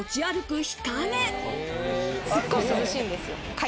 すっごい涼しいんですよ。